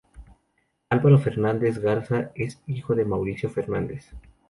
Álvaro Fernández Garza es hijo de Mauricio Fernández.